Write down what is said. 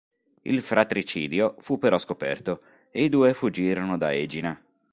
Il fratricidio fu però scoperto, e i due fuggirono da Egina.